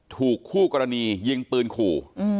ถูกคู่กรณียิงปืนขู่